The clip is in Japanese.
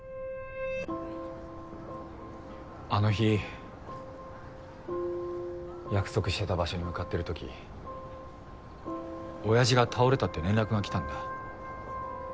あの日約束してた場所に向かってるとき親父が倒れたって連絡が来たんだ。